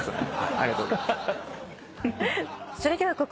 ありがとうございます。